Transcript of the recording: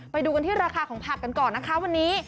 ไปดูกันที่ราคาของผักกันก่อนนะคะวันนี้